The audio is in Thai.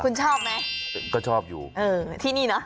คุณชอบไหมก็ชอบอยู่เออที่นี่เนอะ